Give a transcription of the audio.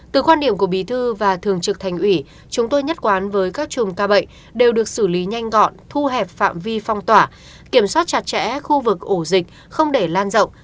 từ quan điểm của bí thư và thường trực thành ủy chúng tôi nhất quán với các chùm ca bệnh đều được xử lý nhanh gọn thu hẹp phạm vi phong tỏa kiểm soát chặt chẽ khu vực ổ dịch không để lan rộng